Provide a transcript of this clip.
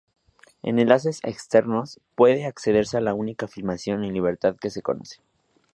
En "Enlaces externos" puede accederse a la única filmación en libertad que se conoce.